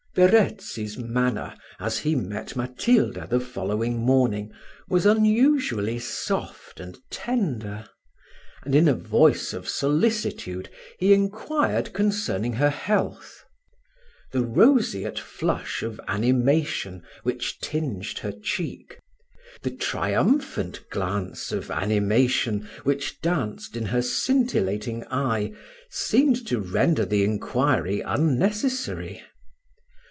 Verezzi's manner, as he met Matilda the following morning, was unusually soft and tender; and in a voice of solicitude, he inquired concerning her health. The roseate flush of animation which tinged her cheek, the triumphant glance of animation which danced in her scintillating eye, seemed to render the inquiry unnecessary.